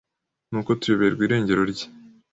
nuko tuyoberwa irengero rye